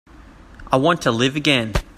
I want to live again.